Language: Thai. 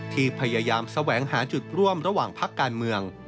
ที่พยายามแสวงหาจุดร่วมระหว่างพักการเมือง